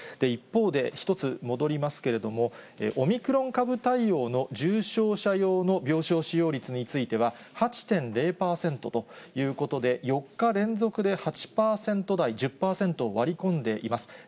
一方で、一つ戻りますけれども、オミクロン株対応の重症者用の病床使用率については、８．０％ということで、４日連続で８％台、１０％を割り込んでいます。